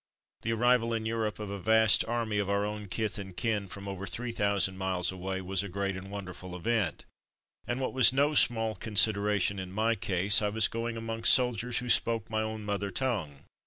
The arrival in Europe of a vast army of our own kith and kin, from over three thousand miles away, was a great and wonderful event; and what was no small consideration in my case, I was going amongst soldiers who spoke my own mother tongue.